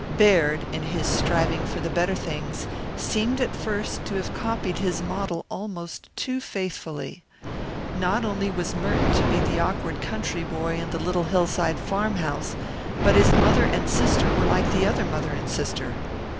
Baird, in his striving for the better things, seemed at first to have copied his model almost too faithfully. Not only was Merton to be the awkward country boy in the little hillside farmhouse, but his mother and sister were like the other mother and sister.